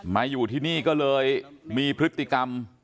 มาอยู่ที่นี่ก็เลยมีพฤติกรรม